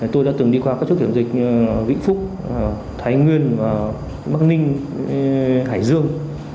tôi đã từng đi qua các chốt kiểm dịch vĩnh phúc thái nguyên và bắc ninh hải dương